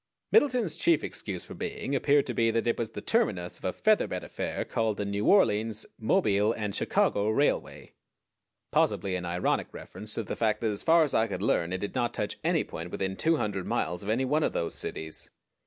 Middleton's chief excuse for being appeared to be that it was the terminus of a featherbed affair called the New Orleans, Mobile & Chicago Railway, possibly in ironic reference to the fact that as far as I could learn it did not touch any point within two hundred miles of any one of those cities.